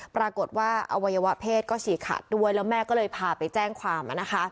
ปรากฏว่าอวัยวะเพศก็ฉีกขาดด้วยแล้วแม่ก็เลยพาไปแจ้งความ